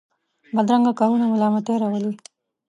بدرنګه کارونه ملامتۍ راولي